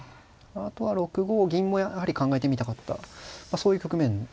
あとは６五銀もやはり考えてみたかったそういう局面でした。